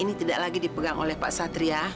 ini tidak lagi dipegang oleh pak satria